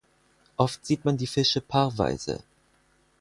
Oft sieht man die Fische paarweise.